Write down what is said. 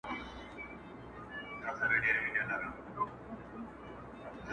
څوک وایي گران دی، څوک وای آسان دی.